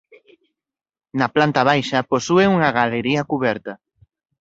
Na planta baixa posúe unha galería cuberta.